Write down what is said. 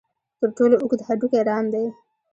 تر ټولو اوږد هډوکی ران دی.